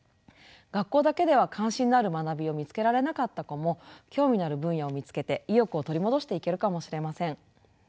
学校だけでは関心のある学びを見つけられなかった子も興味のある分野を見つけて意欲を取り戻していけるかもしれません。